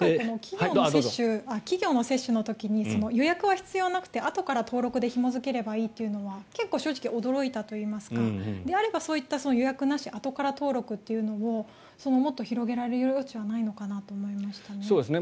今回、企業の接種の時に予約は必要なくてあとから登録でひも付ければいいというのは結構、正直驚いたというかであれば、そういう予約なしあとから登録というのをもっと広げられる余地はないのかなと思いましたね。